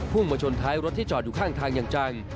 มาชนท้ายรถที่จอดอยู่ข้างทางอย่างจัง